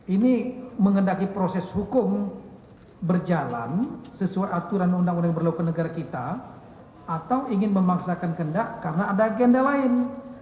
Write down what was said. ini mengendaki proses hukum berjalan sesuai aturan undang undang yang berlaku negara kita atau ingin memaksakan kendak karena ada agenda lain